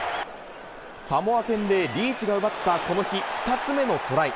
サモア戦でリーチが奪った、この日２つ目のトライ。